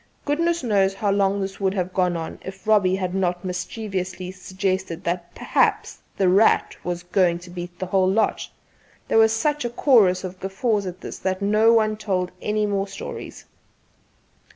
Goodness knows how long this would have gone on if Robbie had not mischievously suggested that "perhaps 'The Rat' was going to beat the whole lot." There was such a chorus of guffaws at this that no one told any more stories.